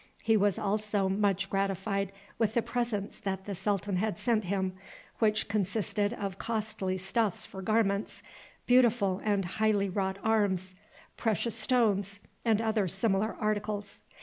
He was also much gratified with the presents that the sultan had sent him, which consisted of costly stuffs for garments, beautiful and highly wrought arms, precious stones, and other similar articles.